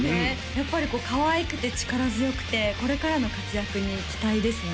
やっぱりかわいくて力強くてこれからの活躍に期待ですね